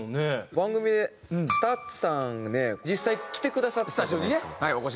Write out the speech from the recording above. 番組でＳＴＵＴＳさんがね実際来てくださったじゃないですか。